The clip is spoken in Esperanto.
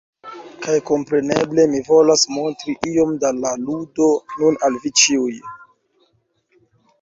Kaj kompreneble, mi volas montri iom da la ludo nun al vi ĉiuj.